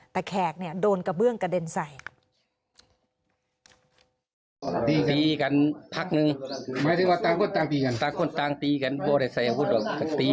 แต่แขกเนี่ยโดนกระเบื้องกระเด็นใส่